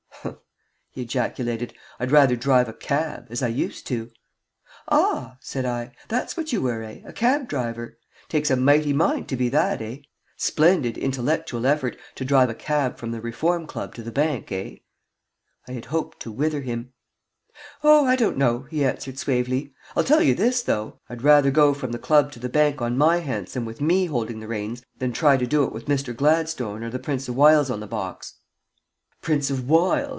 "Humph!" he ejaculated. "I'd rather drive a cab as I used to." "Ah?" said I. "That's what you were, eh? A cab driver. Takes a mighty mind to be that, eh? Splendid intellectual effort to drive a cab from the Reform Club to the Bank, eh?" I had hoped to wither him. "Oh, I don't know," he answered, suavely. "I'll tell you this, though: I'd rather go from the Club to the Bank on my hansom with me holding the reins than try to do it with Mr. Gladstone or the Prince o' Wiles on the box." "Prince o' Wiles?"